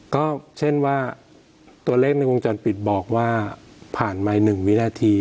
ก็เช่นว่าตัวเลขในวงจรปิดบอกว่าผ่านมาอีก๑วินาที